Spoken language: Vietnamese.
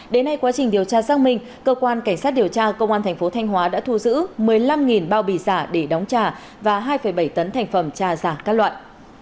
đến nay quá trình điều tra xác minh cơ quan cảnh sát điều tra công an thành phố thanh hóa đã thu giữ một mươi năm bao bì giả để đóng trả và hai bảy tấn thành phẩm trà giả các loại